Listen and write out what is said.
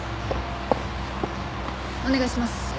お願いします。